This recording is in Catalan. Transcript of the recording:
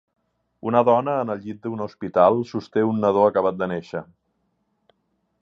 Una dona en el llit d'un hospital sosté un nadó acabat de néixer.